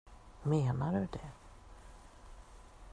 Menar du det?